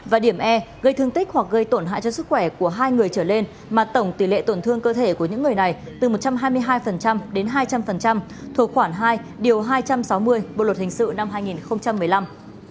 và điểm e gây thương tích hoặc gây tổn hại cho sức khỏe của hai người trở lên mà tổng tỷ lệ tổn thương cơ thể của những người này từ một trăm hai mươi hai đến hai trăm linh thuộc khoảng hai điều hai trăm sáu mươi bộ luật hình sự năm hai nghìn một mươi năm